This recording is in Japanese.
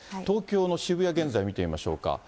東京の渋谷、現在、見てみましょうか。